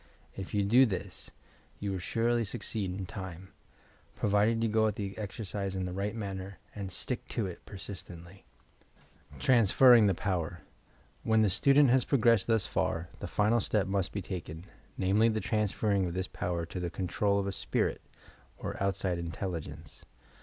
If you do this, you will surely succeed in time, — provided you go at the exercise in the right manner, and "stick to it" persistently. TBANSPERHINO THE POWER When the student has progressed thus far, the final step must be taken, namely the transferring of this power to the control of a "spirit" or outside intelligence.